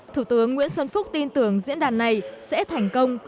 thủ tướng nguyễn xuân phúc tin tưởng diễn đàn này sẽ thành công